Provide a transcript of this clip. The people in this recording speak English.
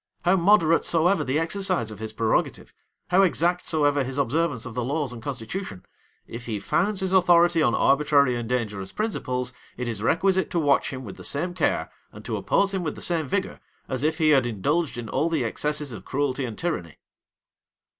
How moderate soever the exercise of his prerogative, how exact soever his observance of the laws and constitution, "If he founds his authority on arbitrary and dangerous principles, it is requisite to watch him with the same care, and to oppose him with the same vigor, as if he had indulged himself in all the excesses of cruelty and tyranny."